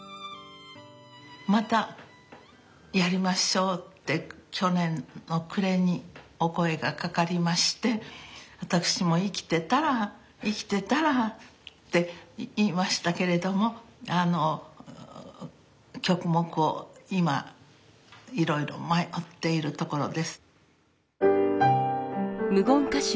またやりましょうって去年の暮れにお声がかかりまして私も生きてたら生きてたらって言いましたけれどもあの曲目を今いろいろ迷っているところです。